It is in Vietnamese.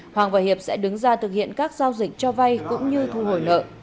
hoàng và hiệp sẽ đứng ra thực hiện các giao dịch cho vay cũng như thu hồi nợ